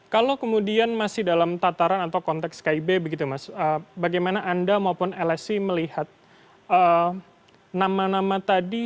kalau kemudian masih dalam tataran atau konteks kib begitu mas bagaimana anda maupun lsi melihat nama nama tadi